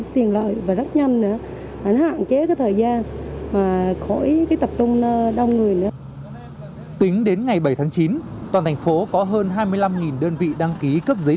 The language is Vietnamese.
tính đến ngày bảy tháng chín toàn thành phố có hơn hai mươi năm đơn vị đăng ký